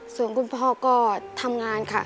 ส่วนคุณพ่อก็ทำงานค่ะ